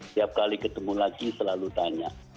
setiap kali ketemu lagi selalu tanya